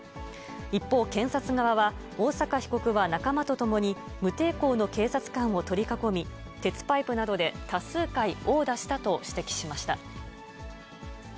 一方、検察側は、大坂被告は仲間と共に無抵抗の警察官を取り囲み、鉄パイプなどで多数回、殴打したと指摘しました。